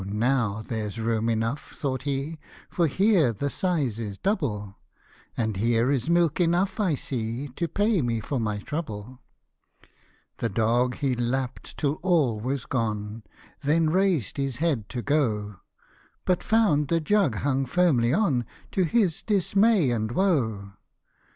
now there's room enough," thought he, " For here the size is double ; And here is milk enough, I see, To pay me for my trouble." The dog he lapp'd till all was gone, Then raised his head to go ; But found the jug hung firmly on, To his dismay and woe.